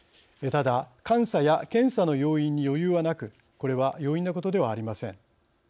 ただ、監査や検査の要員に余裕はなくこれは容易なことではありません。